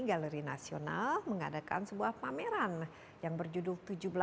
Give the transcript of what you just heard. galeri nasional mengadakan sebuah pameran yang berjudul seribu tujuh ratus tujuh puluh satu